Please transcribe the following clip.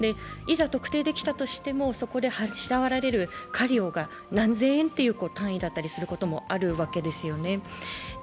いざ特定できたとしても、そこで支払われる科料が何千円という単位だったりすることもあるわけですよね。